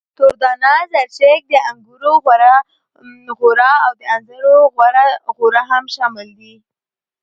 توره دانه، زرشک، د انګورو غوره او د انځرو غوره هم شامل دي.